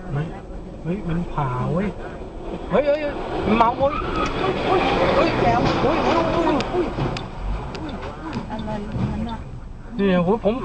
นีต่อว่าประกาศสองสันเว้นเป็นที่สุดยอดมาก